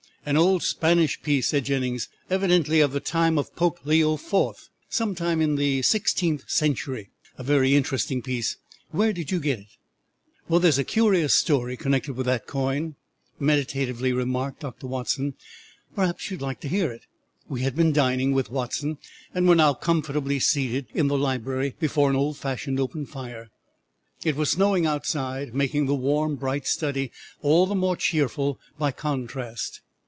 an old Spanish piece," said Jennings, "evidently of the time of Pope Leo Fourth, sometime in the sixteenth century. A very interesting piece. Where did you get it?" "There is a curious story connected with that coin," meditatively remarked Dr. Watson; "perhaps you would like to hear it." [Illustration: ONE EDGE HAD BEEN FLATTENED AND A HOLE PIERCED IN IT.] We had been dining with Watson and were now comfortably seated in the library before an old fashioned open fire. It was snowing outside, making the warm, bright study all the more cheerful by contrast.